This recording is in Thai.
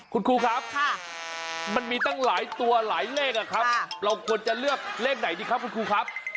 คุณครูครับมันมีตั้งหลายตัวหลายเลขอะครับเราควรจะเลือกเลขไหนดีครับคุณครูครับ